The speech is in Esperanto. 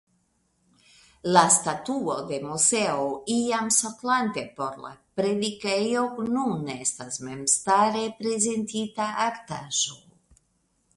La statuo de Moseo iam soklante por la predikejo nun estas memstare prezentita artaĵo.